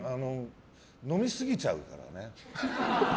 飲みすぎちゃうからね。